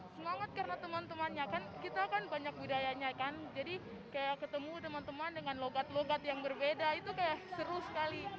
semangat karena teman temannya kan kita kan banyak budayanya kan jadi kayak ketemu teman teman dengan logat logat yang berbeda itu kayak seru sekali